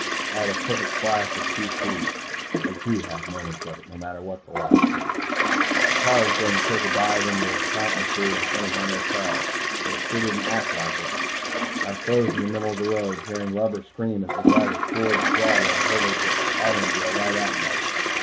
I had a perfect flash of PC I do have moments of it, no matter what the Lodge thinks. The car was going to take a dive into the fountain pool in front of my motel. But it sure didn't act like it. I froze in the middle of the road, hearing rubber scream as the driver floored the throttle and hurled the automobile right at me.